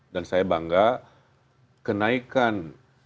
dan saya bangga kenaikan entrepreneurship melalui kemiskinan itu itu bisa jadi kemiskinan